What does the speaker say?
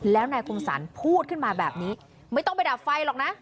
แล้วนายคมสรรพูดขึ้นมาแบบนี้ไม่ต้องไปดับไฟหรอกนะ